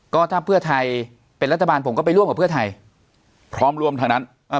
ก็ถ้าเพื่อไทยเป็นรัฐบาลผมก็ไปร่วมกับเพื่อไทยพร้อมรวมทั้งนั้นอ่า